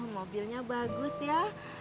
mobilnya bagus ya